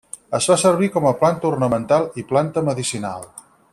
Es fa servir com planta ornamental i planta medicinal.